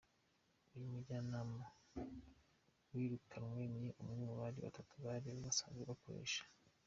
Uyu mujyanama wirukanwe ni umwe muri batatu bari basanzwe bakoresha.